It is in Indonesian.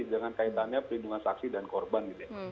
dengan kaitannya perlindungan saksi dan korban gitu ya